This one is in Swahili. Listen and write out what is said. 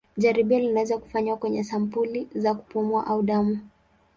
Jaribio linaweza kufanywa kwenye sampuli za kupumua au damu.